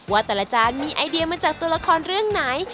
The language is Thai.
ว่าแต่ละจานมีไอเดียมาจากตัวละครเรื่องไหน